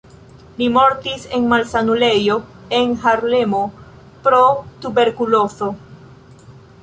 Li mortis en malsanulejo en Harlemo pro tuberkulozo.